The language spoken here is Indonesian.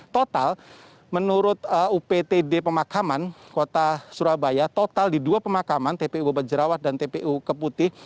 total menurut uptd pemakaman kota surabaya total di dua pemakaman tpu bobat jerawat dan tpu keputih